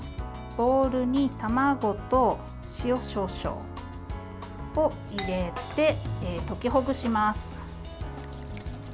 ボウルに卵と塩少々を入れて溶きほぐします。